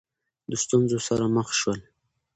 د ستونزو سره مخ شول